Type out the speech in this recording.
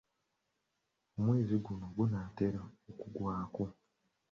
Omwezi guno gunaatera okuggwako.